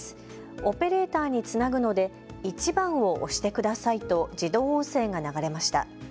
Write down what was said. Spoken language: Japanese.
オペレーターにつなぐので１番を押してくださいと自動音声が流れました。